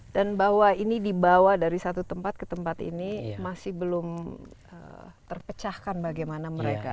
dan bahwa ini dibawa dari satu tempat ke tempat ini masih belum terpecahkan bagaimana mereka